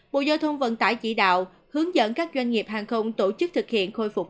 bộ giao thông vận tải chỉ đạo hướng dẫn các doanh nghiệp hàng không tổ chức thực hiện khôi phục